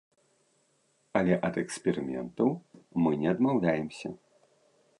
Але ад эксперыментаў мы не адмаўляемся!